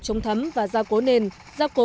trống thấm và gia cố nền gia cố